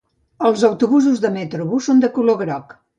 Els autobusos de Metrobús són de color groc.